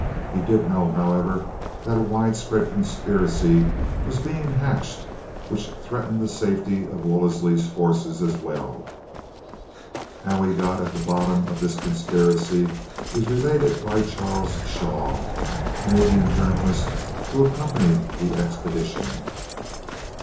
He did know, however, that a widespread conspiracy was being hatched which threatened the safety of Wolseley's forces as well. How he got at the bottom of this conspiracy is related by Charles Shaw, a Canadian journalist who accompanied the expedition.